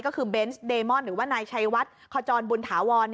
ก็คือเบนส์เดมอนหรือว่านายชัยวัดขจรบุญถาวร